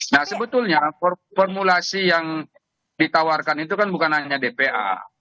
nah sebetulnya formulasi yang ditawarkan itu kan bukan hanya dpa